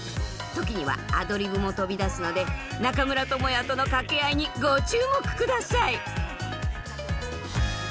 時にはアドリブも飛び出すので中村倫也との掛け合いにご注目下さい。